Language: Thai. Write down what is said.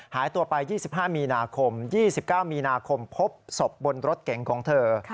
หายตัวไป๒๕มีนาคม๒๙มีนาคมพบศพบนรถเก๋งของเธอ